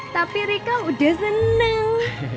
tapi rika udah seneng